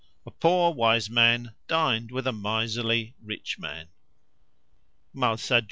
A poor wise man dined with a miserly rich man.